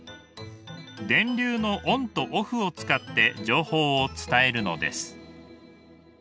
電流のオンとオフを使って情報を伝えるのです。